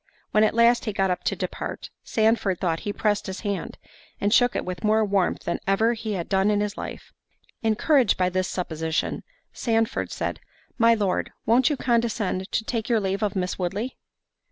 When at last he got up to depart, Sandford thought he pressed his hand, and shook it with more warmth than ever he had done in his life. Encouraged by this supposition, Sandford said, "My Lord, won't you condescend to take your leave of Miss Woodley?"